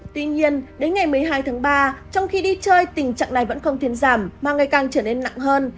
tuy nhiên đến ngày một mươi hai tháng ba trong khi đi chơi tình trạng này vẫn không thiên giảm mà ngày càng trở nên nặng hơn